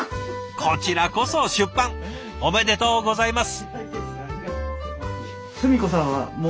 こちらこそ出版おめでとうございます。